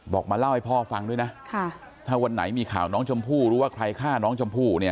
มาเล่าให้พ่อฟังด้วยนะถ้าวันไหนมีข่าวน้องชมพู่รู้ว่าใครฆ่าน้องชมพู่เนี่ย